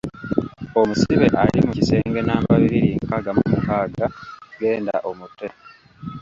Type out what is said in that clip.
Omusibe ali mu kisenge nnamba bibiri nkaaga mu mukaaga genda omute.